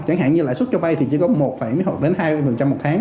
chẳng hạn như lãi suất cho vay thì chỉ có một hai mỗi tháng